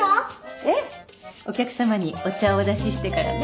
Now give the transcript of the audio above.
ええ。お客さまにお茶をお出ししてからね。